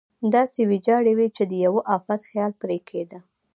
داسې ویجاړې وې چې د یوه افت خیال پرې کېده.